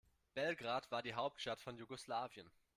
Belgrad war die Hauptstadt von Jugoslawien.